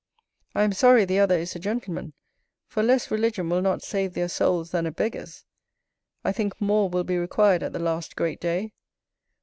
I am sorry the other is a gentleman, for less religion will not save their souls than a beggar's: I think more will be required at the last great day.